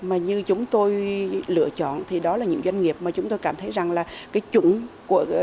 mà như chúng tôi lựa chọn thì đó là những doanh nghiệp mà chúng tôi cảm thấy rằng là cái chủng của